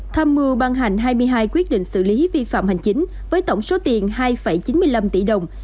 tham mưu ban hành hai mươi hai quyết định xử lý vi phạm hành chính với tổng số tiền hai chín mươi năm tỷ đồng